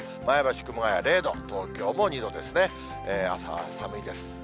前橋、熊谷０度、東京も２度ですね、朝は寒いです。